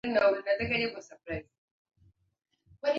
kama anavyoeleza dokta arupela mato ambaye ni mhadhiri mwandamizi